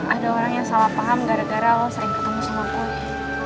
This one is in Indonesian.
ada orang yang salah paham gara gara lo sering ketemu sama polisi